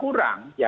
kalau memang kurang